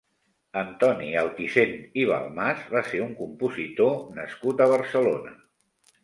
Antoni Altisent i Balmas va ser un compositor nascut a Barcelona.